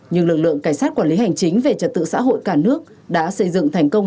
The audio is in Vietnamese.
nhưng lực lượng cảnh sát quản lý hành chính về trật tự xã hội cả nước đã xây dựng thành công